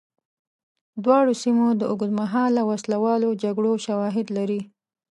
دواړو سیمو د اوږدمهاله وسله والو جګړو شواهد لري.